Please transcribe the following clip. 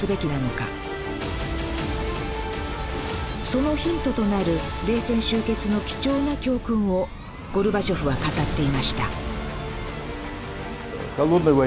そのヒントとなる冷戦終結の貴重な教訓をゴルバチョフは語っていました